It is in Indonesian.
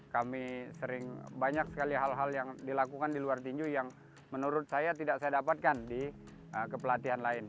kami sering banyak sekali hal hal yang dilakukan di luar tinju yang menurut saya tidak saya dapatkan di kepelatihan lain